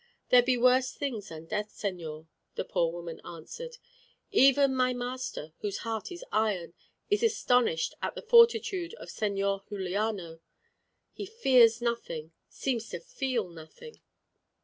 "There be worse things than death, señor," the poor woman answered. "Even my master, whose heart is iron, is astonished at the fortitude of Señor Juliano. He fears nothing seems to feel nothing.